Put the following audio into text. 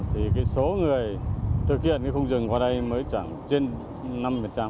thì số người thực hiện không dừng qua đây mới chẳng trên năm